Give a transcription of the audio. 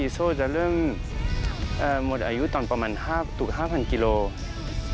โซ่จะเริ่มหมดอายุตอนประมาณ๕๐๐กิโลกรัม